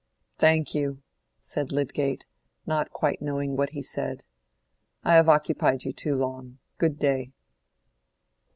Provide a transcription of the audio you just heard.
"Thank you," said Lydgate, not quite knowing what he said. "I have occupied you too long. Good day."